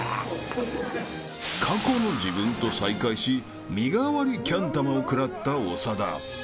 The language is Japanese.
［過去の自分と再会し身代わりキャン玉を食らった長田］